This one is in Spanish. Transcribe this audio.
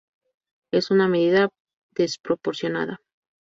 Es una medida desproporcionada.